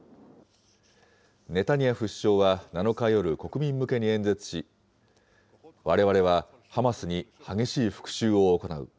ネタニヤフ首相は７日夜、国民向けに演説し、われわれはハマスに激しい復しゅうを行う。